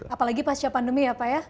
apalagi pasca pandemi ya pak ya